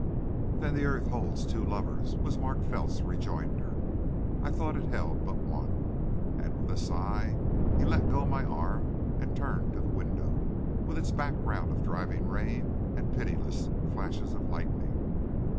"Then the earth holds two lovers," was Mark Felt's rejoinder. "I thought it held but one." And with a sigh he let go my arm and turned to the window, with its background of driving rain and pitiless flashes of lightning.